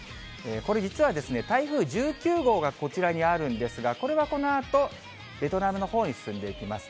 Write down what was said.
これ、実は台風１９号がこちらにあるんですが、これはこのあと、ベトナムのほうに進んでいきます。